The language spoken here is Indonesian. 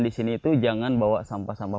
di sini itu jangan bawa sampah sampah